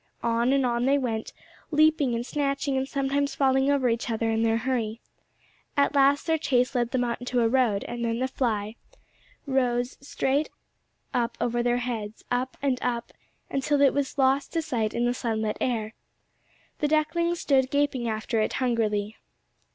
On and on they went, leaping and snatching, and sometimes falling over each other in their hurry. At last their chase led them out into a road, and then the fly rose straight up over their heads, up and up until it was lost to sight in the sunlit air. The ducklings stood gaping after it hungrily.